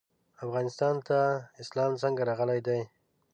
افغانستان ته اسلام څنګه راغلی دی؟